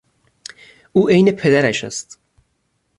او عین پدرش است.